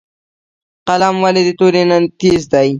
قلم ولې د تورې نه تېز دی؟